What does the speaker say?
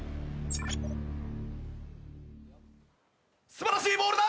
素晴らしいボールだ！